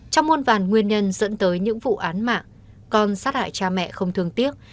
trong muôn vàn nguyên nhân dẫn tới những vụ án mạng con sát hại cha mẹ không thương tiếc